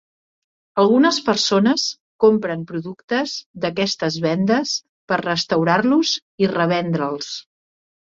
Algunes persones compren productes d'aquestes vendes per restaurar-los i revendre'ls.